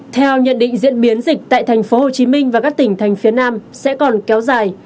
theo nhận định diễn biến dịch tại thành phố hồ chí minh và các tỉnh thành phía nam sẽ còn kéo dài